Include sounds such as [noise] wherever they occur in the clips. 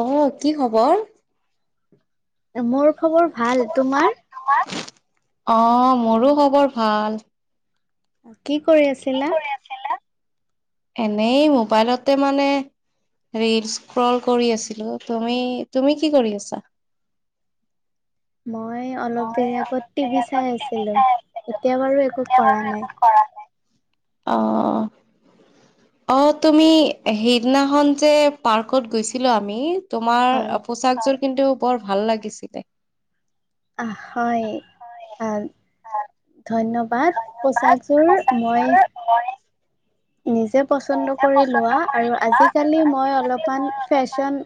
অ। কি খবৰ? মোৰ খবৰ ভাল তোমাৰ? অ মোৰো খবৰ ভাল উম কি কৰি আছিলা? এনেই মোবাইলতে মানে ৰিলছ ক্ৰল কৰি আছিলো তুমি তুমি কি কৰি আছা মই অলপ দেৰি আগত টিভি চাই আছিলো এতিয়া বাৰু একো কৰা নাই অ অ তুমি সিদিনাখন যে পাৰ্কত গৈছিলো আমি তোমাৰ হয়। পোচাক জোৰ কিন্তু বৰ ভাল লাগিছিলে হয় অ ধন্যবাদ পোচাকযোৰ মই নিজে পচন্দ কৰি লোৱা আৰু আজিকালি মই অলপমান ফেশ্বন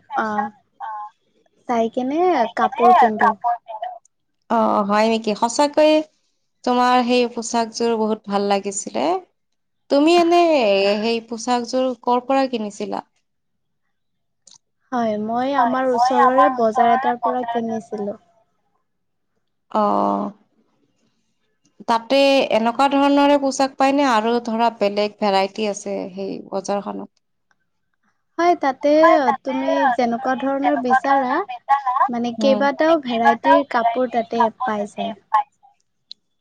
চাই কেনে কাপোৰ পিন্ধো। অ হয় নেকি সঁচাকৈয়ে তোমাৰ সেই পোচাকযোৰ বহুত ভাল লাগিছিল তুমি এনে সেই পোচাকযোৰ কৰ পৰা কিনিছিলা। হয় মই আমাৰ ওচৰৰে বজাৰ এটাৰ পৰা কিনিছিলোঁ অহ তাতে এনেকুৱা ধৰণৰে পোচাক পায়নে আৰু ধৰক বেলেগ ভেৰাইটি আছে সেই বজাৰখনত। হয় তাতে তুমি যেনেকুৱা ধৰণৰ বিচৰা মানে উম কেইবাটাও ভেৰাইটিৰ কাপোৰ তাতে পায় যায়।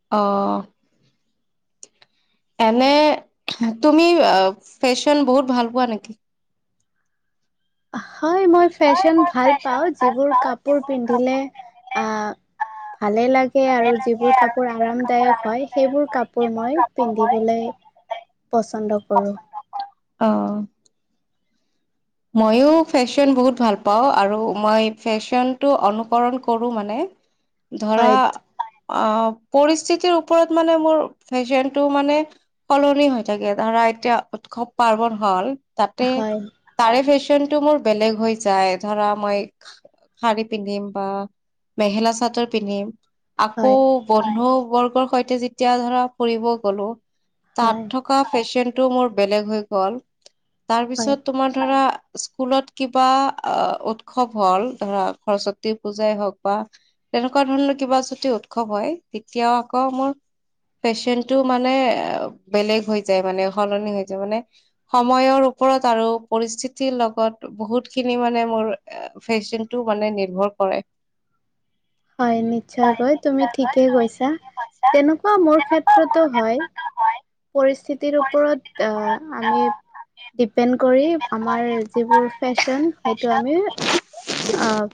অ এনে তুমি ফেশ্বন বহুত ভাল পোৱা নেকি? অ হয় মই ফেশ্বন ভাল পাওঁ। যিবোৰ কাপোৰ পিন্ধিলে ভালেই লাগে আৰু যিবোৰ কাপোৰ আৰামদায়ক হয় সেইবোৰ কাপোৰ মই পিন্ধিবলৈ পচন্দ কৰোঁ। অ মইয়ো ফেশ্বন বহুত ভাল পাওঁ আৰু আৰু মই ফেশ্বনটো অনুকৰণ কৰোঁ মানে। ধৰা হয় অ পৰিস্থিতিৰ ওপৰত মানে মোৰ ফেশ্বন টো মানে সলনি হৈ থাকে ধৰা এতিয়া উৎসৱ পাৰ্বন হ'ল তাতে হয় ফেশ্বন টো মোৰ বেলেগ হৈ যায় ধৰা মই শাৰী পিন্ধিম বা মেখেলা চাদৰ পিন্ধিম, আকৌ হয় বন্ধু বৰ্গৰ সৈতে যেতিয়া ধৰা ফুৰিব গ'লো হয় তাত থকা ফেশ্চন টো মোৰ বেলেগ হৈ গ'ল। হয়। তাৰপিছত ধৰা স্কুলত কিবা উৎসৱ হল ধৰা সৰস্বতী পূজাই হওক বা তেনেকুৱা ধৰণৰ কিবা যদি উৎসৱ হয় তেতিয়াও আকৌ মোৰ ফেশ্বনটো মানে বেলেগ হৈ যায় মানে সলনি হৈ যায় মানে সময়ৰ ওপৰত আৰু পৰিস্থিতিৰ লগত বহুতখিনি মানে মোৰ ফেশ্বনটো মানে নিৰ্ভৰ কৰে। হয় নিশ্চয়কৈ তুমি ঠিকে কৈছা তেনেকুৱা মোৰ ক্ষেত্ৰতো হয়। পৰিস্থিতিৰ ওপৰত আমি ডিপেণ্ড কৰি আমাৰ যিবোৰ ফেশ্বন সেইটো আমি আহ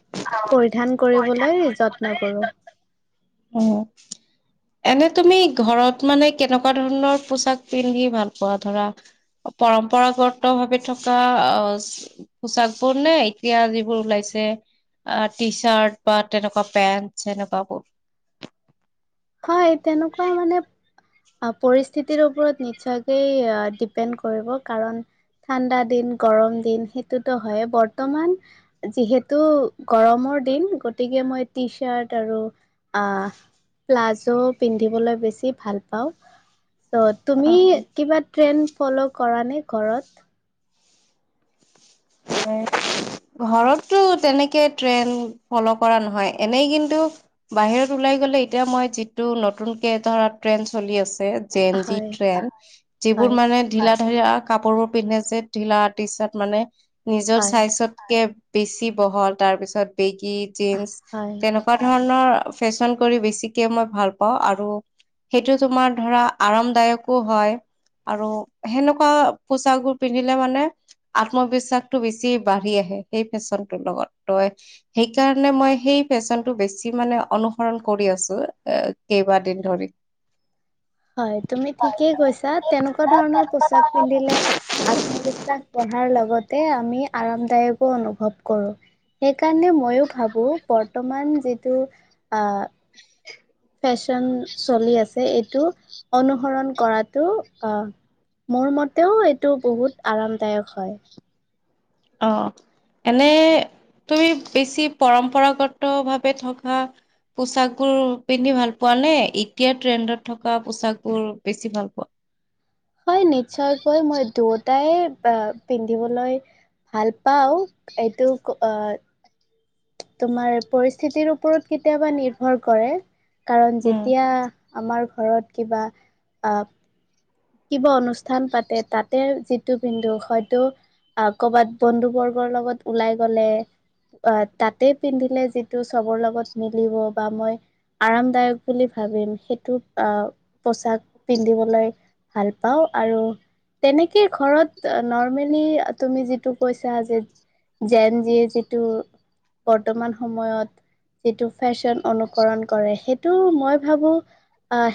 পৰিধান কৰিবলৈ যত্ন কৰোঁ। অ এনে তুমি ঘৰত মানে কেনেকুৱা ধৰণৰ পোচাক পিন্ধি ভাল পোৱা ধৰা পৰম্পৰাগত ভাৱে থকা আহ পোচাকবোৰ নে এতিয়া যিবোৰ ওলাইছে আহ টি চাৰ্ট বা তেনেকুৱা পেন্ট সেনেকুৱাবোৰ। হয় তেনেকুৱা মানে পৰিস্থিতিৰ ওপৰত নিশ্চয়কেই ডিপেণ্ড কৰিব কাৰণ ঠাণ্ডা দিন গৰম দিন সেইটোতো হয় বৰ্তমান যিহেতু গৰমৰ দিন গতিকে মই টি চাৰ্ট আৰু আ প্লাজো পিন্ধিবলৈ বেছি ভাল পাওঁ। চ অ তুমি কিবা ট্ৰেন ফল কৰা নে ঘৰত। ঘৰতটো তেনেকে ট্ৰেইন ফল কৰা নহয় এনেই কিন্তু বাহিৰত ওলাই গলে এতিয়া মই যিটো নতুনকে ধৰা ট্ৰেইন চলি আছে, জেঞ্জী হয় ট্ৰিয়েণ্ড হয় যিবোৰ মানে ঢিলা ধৰি লোৱা কাপোৰ বোৰ পিন্ধে যে ঢিলা টি চাৰ্ট মানে, নিজৰ হয় স্বাইজতকে বেছি বহল তাৰপিছত, বেগী জেঞ্চ হয় তেনেকুৱা ধৰণৰ ফেশন কৰি বেছিক মই ভাল পাওঁ আৰু সেইটো তোমাৰ ধৰা আৰামদায়কো হয় আৰু সেনেকুৱা পোচোৰ পিন্ধিলে মানে আত্মবিসা বেছি বাঢ়ি আহে সেই ফেশ্বনটোৰ লগত তই সেইকাৰণে মই সেই ফেশ্বনটো বেছি মানে অনুসৰণ কৰি আছো এ কেইবাদিন ধৰি। হয় তুমি ঠিকেই কৈছা তেনেকুৱা ধৰণৰ পোচাক পিন্ধিলে আত্মবিশ্বাস বঢ়াৰ লগতে আমি আৰামদায়কো অনুভৱ কৰোঁ সেইকাৰণে মইয়ো ভাবো বৰ্তমান যিটো আহ [inaudible] ফেশ্বন চলি আছে এইটো অনুসৰণ কৰাতটো মোৰ মতেও এইটো বহুত আৰামদায়ক হয়। অ এনে তুমি বেছি পৰম্পৰাগত ভাৱে থকা পোচাকবোৰ পিন্ধি ভাল পোৱা নে এতিয়া ট্ৰেণ্ডত থকা পোচাকবোৰ বেছি ভাল পোৱা? টাই আহ পিন্ধিবলৈ ভাল পাওঁ এইটো আহ তোমাৰ পৰিস্থিতিৰ ওপৰত কেতিয়াবা নিৰ্ভৰ কৰে! কাৰণ উম যেতিয়া আমাৰ ঘৰত কিবা কিবা অনুষ্ঠান পাতে তাতে যিটো পিন্ধো হয়তো আহ কৰবাত বন্ধু বৰ্গৰ লগত ওলাই গলে আহ তাতে পিন্ধিলে যিটো চবৰ লগত মিলিব বা মই আৰামদায়ক বুলি ভাবিম সেইটো আহ পোচাক পিন্ধিবলৈ ভাল পাওঁ আৰু তেনেকেই ঘৰত নৰ্মেলি তুমি যিটো কৈছা যে যেন যিয়ে যিটো বৰ্তমান সময়ত যিটো ফেশ্বন অনুকৰণ কৰে সেইটো মই ভাবোঁ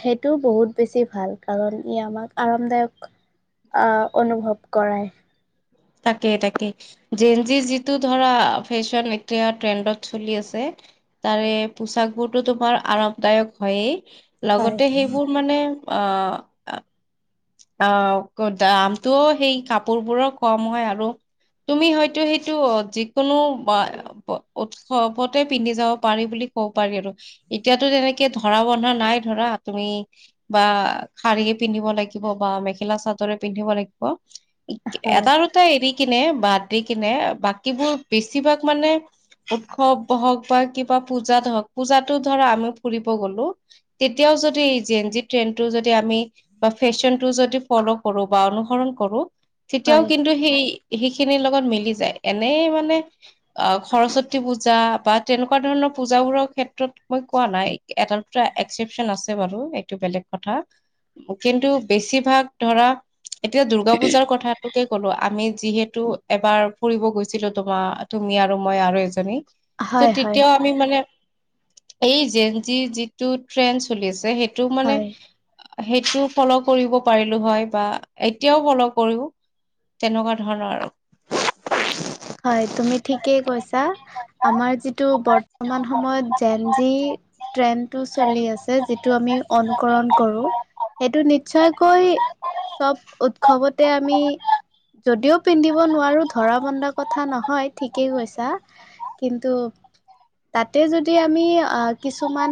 সেইটো বহুত বেছি ভাল কাৰণ ই আমাক আৰামদায়ক অনুভৱ কৰায়। তাকেই, তাকে, যেঞ্জি যিটো ধৰা ফেশ্বন এতিয়া ট্ৰেণ্ডত চলি আছে হয়, তাৰে পোচাকবোৰ তো-তোমাৰ আৰামদায়ক হয়েই হয়, লগতে সেইবোৰ মানে আ, আ আ, দামটোও সেই কাপোৰবোৰৰ কম হয়। আৰু তুমি হয়তো সেইটো যিকোনো উৎসৱতে পিন্ধি যাব পাৰি বুলি ক'ব পাৰি। আৰু এতিয়াতো তেনেকে ধৰা-বন্ধা নাই। ধৰা, তুমি বা শাৰীয়ে পিন্ধিব লাগি পিন্ধিব বা মেখেলা-চাদৰে পিন্ধিব লাগিব হয়, এটা-দুটা এৰি কিনে, বাদ দি কিনে বাকীবোৰ বেছিভাগ মানে উৎসৱ হওক বা কিবা পূজাত হওক। পূজাতো ধৰা আমি ফুৰিব গ'লো, তেতিয়াও যদি যেঞ্জি ট্ৰেণ্ডটো যদি আমি ফেশ্বনটো যদি ফ'ল' কৰোঁ বা অনুসৰণ কৰোঁ তেতিয়াও হয়, কিন্তু সেই সেইখিনিৰ লগত মিলি যায়। এনেই মানে, আ, সৰস্বতী পূজা বা তেনেকুৱা ধৰণৰ পূজাবোৰৰ ক্ষেত্ৰত মই কোৱা নাই। এটা-দুটা এক্সেপচন আছে বাৰু, এইটো বেলেগ কথা কিন্তু বেছিভাগ ধৰা এতিয়া দুৰ্গা পূজাৰ কথাটোকে ক'লো আমি, যিহেতু তো এবাৰ ফুৰিব গৈছিলোঁ, তোমাৰ, তুমি আৰু মই আৰু এজনী ত', হয়, হয়, তেতিয়াও আমি মানে এই জেন জি যিটো ট্ৰেইন চলিছে সেইটো এইটো মানে হয় সেইটো ফলো কৰিব পাৰিলো হয়, বা এতিয়াও ফলো' কৰো, তেনেকুৱা ধৰণৰ আৰু হয় তুমি ঠিকেই কৈছা, আমাৰ যিটো বৰ্তমান সময়ত জেন জি ট্ৰেণ্ডটো চলি আছে যিটো আমি অনুকৰণ কৰোঁ সেইটো নিশ্চয়কৈ চব উৎসৱতে আমি যদিও পিন্ধিব নোৱাৰো ধৰা বন্ধা কথা নহয় ঠিকেই কৈছা কিন্তু তাতে যদি আমি আহ, কিছুমান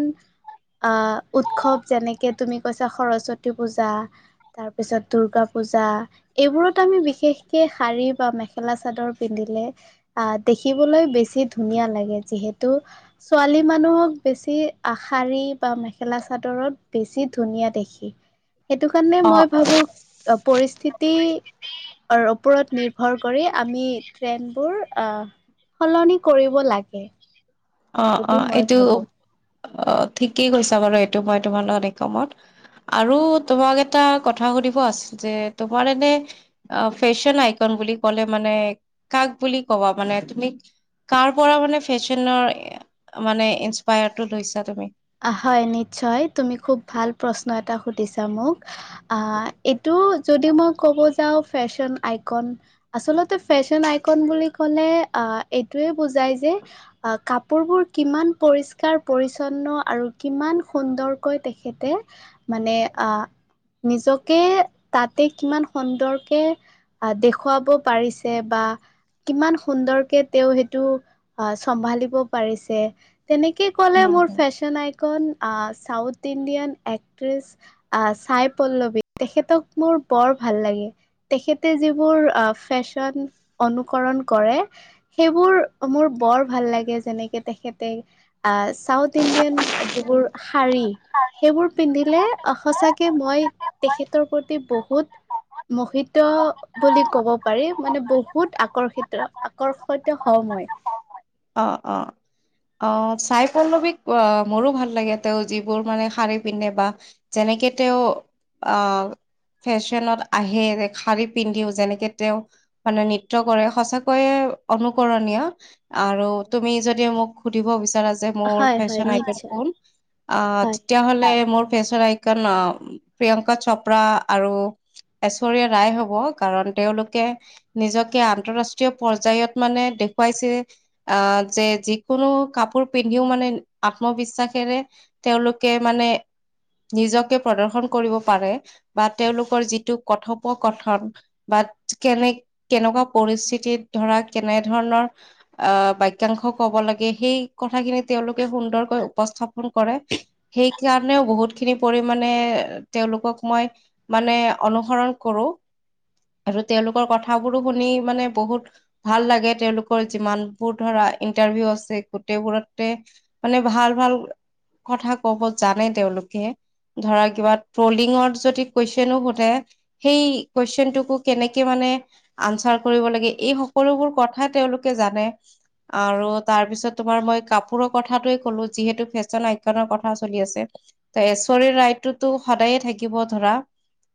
আহ উৎসৱ যেনেকে তুমি কৈছা সৰস্বতী পূজা তাৰপিছত দূৰ্গা পূজা এইবোৰত আমি বিশেষকে শাৰী বা মেখেলা চাদৰ পিন্ধিলে আহ দেখিবলৈ বেছি ধুনীয়া লাগে, যিহেতু ছোৱালী মানুহক বেছি আ শাৰী বা মেখেলা চাদৰত বেছি ধুনীয়া দেখি। সেইটো কাৰণে অ মই ভাবো পৰি স্থিতি ওপৰত নিৰ্ভৰ কৰি আমি ট্ৰেইনবোৰ আহ সলনি কৰিব লাগে। অ' বুলি অ' মই এইটো ভাবো। অ' ঠিকেই কৈছা বাৰু এইটো মই তোমাৰ লগত একমত, আৰু তোমাক এটা কথা সুধিব আছিল যে তোমাৰ এনে ফেশ্বন আইকন বুলি কলে মানে কাক বুলি কবা মানে, তুমি কাৰ পৰা মানে ফেশ্বনৰ মানে ইনস্পায়াৰটো লৈছা তুমি? হয় নিশ্চয়, তুমি খুব ভাল প্ৰশ্ন এটা এটা সুধিছা মোক। অ' এইটো যদি মই ক'ব যাওঁ ফেশ্বন আইকন, আচলতে ফেশ্বন আইকন বুলি ক'লে এইটোৱে বুজাই যে কাপোৰবোৰ কিমান পৰিষ্কাৰ, পৰিছন্ন আৰু কিমান সুন্দৰকৈ তেখেতে মানে, আহ, নিজকে তাতে কিমান সুন্দৰকে আহ দেখুৱাব পাৰিছে বা কিমান সুন্দৰকে তেওঁ সেইটো আহ চম্ভালিব পাৰিছে। তেনেকে ক'লে উম মোৰ হম ফ্ব আইকন ইণ্ডিয়ান চাই পল্লৱী তেখেতক মোৰ বৰ ভাল লাগে তেখেতে যিবোৰ ফেশ্বন অনুকৰণ কৰে সেইবোৰ মোৰ ভাল লাগে যেনেকে তেখেতে চাউথ ইণ্ডিয়ান ইণ্ডিয়ান যিবোৰ শাৰী, সেইবোৰ পিন্ধিলে অ' সঁচাকে মই তেখেতৰ প্ৰতি বহুত মহিত বুলি ক'ব পাৰি মানে বহুত আকৰ্ষিত আকৰ্ষত হওঁ মই অ' অ' অ' চাইফল্লবিক অ' মোৰো ভাল লাগে তেওঁ যিবোৰ মানে শাৰী পিন্ধে বা যেনেকে তেওঁ আ ফেশ্বনত আহে ৰে শাৰী পিন্ধিও যেনেকে তেওঁ মানে নৃত্য কৰে সঁচাকৈয়ে অনুকৰণীয় আৰু তুমি যদি মোক সুধিব গৈছে তেৰা যে মোৰ হয় হয় ফেশ্বন আইটেম নিশ্চয় বোৰ আ হয় তেতিয়াহলে মোৰ ফেশ্বন আইকন প্ৰিয়ংকা চপ্ৰা আৰু এস্বৰিয়া ৰায় হব কাৰণ হয় তেওঁলোকে, নিজকে আন্তৰাষ্ট্ৰীয় পৰ্যায়ত মানে দেখুৱাইছে আ যে, যি কোনো কাপোৰ পিন্ধিও মানে আত্ম বিশ্বাসেৰে তেওঁলোকে মানে নিজকে পদৰ্ষণ কৰিব পাৰে, বা তেওঁলোকৰ যিটো কথোপকথন বা কেনে কেনেকুৱা পৰিস্থিতিত ধৰা কেনে ধৰণৰ আ বাক্যাংশ ক'ব লাগে সেই কথাখিনি তেওঁলোকে সুন্দৰকৈ উপস্থাপন কৰে। সেই কাৰণে বহুতখিনি পৰিমাণে তেওঁলোকক মই মানে অনুসৰণ কৰো, আৰু তেওঁলোকৰ কথাবোৰো শুনি মানে বহুত ভাল লাগে তেওঁলোকৰ যিমানবোৰ ধৰা ইণ্টাৰভিউ আছ ছে গোটেইবোৰতে মানে ভাল ভাল কথা ক'ব জানে, তেওঁলোকে ধৰা কিবা ট্ৰলিঙৰ যদি কুৱেশ্যনো সোধে সেই কুৱেশ্যন টোকো কেনেকে মানে আঞ্চাৰ কৰিব লাগে এই সকলোবোৰ কথা তেওঁলোকে জানে। আৰু তাৰ পিছত তোমাৰ মই কাপোৰৰ কথাটোৱে ক'লো, যিহেতু ফেশ্বন আইকনৰ কথা চলি আছে ত ঐশ্বৰিয়া ৰাইটোতো সদায়ে থাকিব ধৰা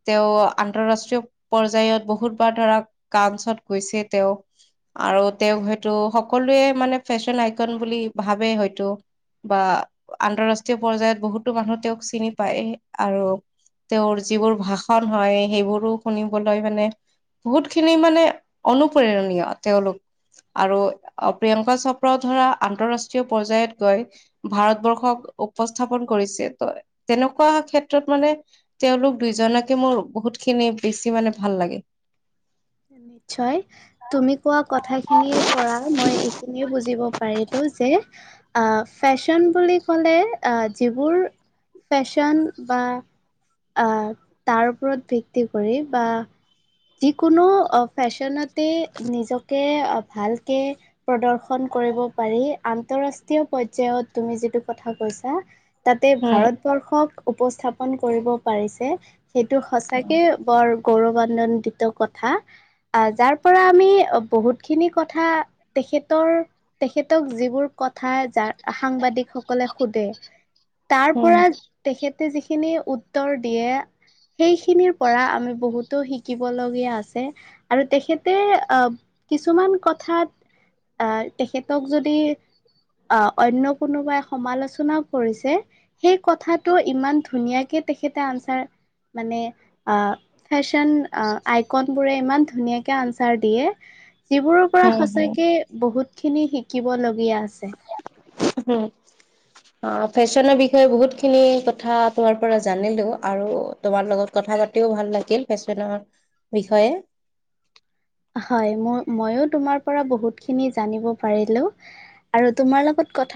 তেওঁ আন্তৰাষ্ট্ৰীয় পৰ্যায়ত বহুত বাৰ ধৰা কাউঞ্চত গৈছে তেওঁ, আৰু তেওঁক হয়তটো সকলোৱে মানে ফেশ্বন আইকন বুলি ভাবে হয়তো বা আন্তৰাষ্ট্ৰীয় পৰ্যায়ত বহুতো মানুহ তেওঁক চিনি পায় আৰু তেওঁৰ যিবোৰ ভাষণ হয় সেইবোৰো শুনিবলৈ মানে বহুত খিনি মানে অনুপ্ৰেৰণীয় তেওঁলোক। আৰু প্ৰিয়ংকা চপ প্ৰ ধৰা আন্তঃৰাষ্ট্ৰীয় পৰ্যয়ত গৈ ভাৰতবৰ্ষক উপস্থাপন কৰিছে, ত' তেনেকুৱা ক্ষেত্ৰত মানে তেওঁলোক দুইজনকে মোৰ বহুত খিনি বেছি মানে ভাল লাগে। নিশ্চয় তুমি কোৱা কথাখিনিৰ পৰা মই এইখিনিয়ে বুজিব পাৰিলো যে আ ফেশ্বন বুলি ক'লে আ যিবোৰ ফেশ্বন বা আ তাৰ ওপৰত ভিত্তি কৰি বা যি কোনো ফেশ্বনতে নিজকে ভালকে প্ৰদৰ্শন কৰিব পাৰি। আন্তৰাষ্ট্ৰীয় পৰ্যায়ত তুমি যিটো কথা কৈছা তাতে উম ভাৰতবৰ্ষক উপস্থাপন কৰিব পাৰিছে সেইটো সঁচাকে বৰ গৌৰৱ আনন্দিত কথা। আহ যাৰ পৰা আমি বহুত খিনি কথা তেখেতৰ তেখেতক যিবোৰ কথা সাংবাদিক সকলে সোধে, তাৰ উম পৰা তেখেত যিখিনি উত্তৰ দিয়ে, সেইখিনিৰ পৰা আমি বহুতো শিকিব লগ দিয়া আছে, আৰু তেখেতে আ কিছুমান কথাত আ তেখেতক যদি আ অন্য কোনোবাই সমালোচনাও কৰিছে সেই কথাটো ইমান ধুনীয়াকে তেখেতে আঞ্চাৰ মানে আ ফেশ্বন আ আইকনবোৰে ইমান ধুনীয়াকে আঞ্চাৰ দিয়ে যিবোৰৰ পৰা উম হম সঁচাকে বহুত খিনি শিকিবলগীয়া আছে। হু আ ফেশ্বনৰ বিষয়ে বহুতখিনি কথা আপোনাৰ পৰা জানিলো, আৰু তোমাৰ লগত কথা পাতিও ভাল লাগিল ফেশ্বনৰ বিষয়ে। হয় ম মইও তোমাৰ পৰা বহুত খিনি জানিব পাৰিলো আৰু তোমাৰ লগত কথা।